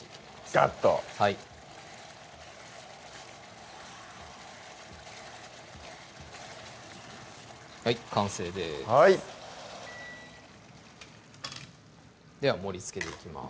ガッとはい完成ですはいでは盛りつけていきます